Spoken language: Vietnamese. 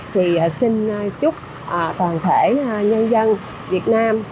thì xin chúc toàn thể nhân dân việt nam